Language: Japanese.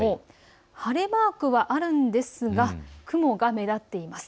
晴れマークはあるんですが雲が目立っています。